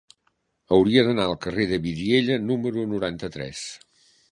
Hauria d'anar al carrer de Vidiella número noranta-tres.